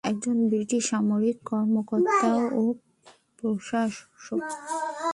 একজন ব্রিটিশ সামরিক কর্মকর্তা ও প্রশাসক।